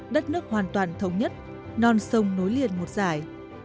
đất nước hoàn toàn thống nhất non sông nối liền một dài